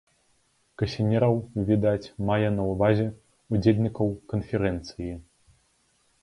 Касінераў, відаць мае на ўвазе, удзельнікаў канферэнцыі.